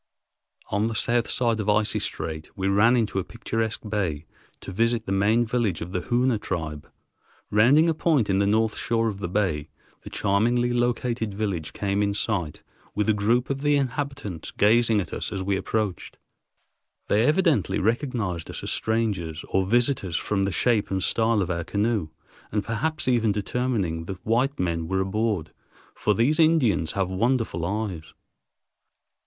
On the south side of Icy Strait we ran into a picturesque bay to visit the main village of the Hoona tribe. Rounding a point on the north shore of the bay, the charmingly located village came in sight, with a group of the inhabitants gazing at us as we approached. They evidently recognized us as strangers or visitors from the shape and style of our canoe, and perhaps even determining that white men were aboard, for these Indians have wonderful eyes.